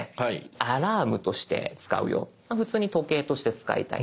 アラームとして使うよ普通に時計として使いたいんだ